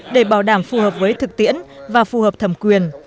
để bảo đảm phù hợp với thực tiễn và phù hợp thẩm quyền